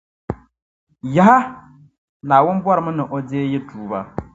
Yaha! Naawuni bɔrimi ni O deei yi tuuba.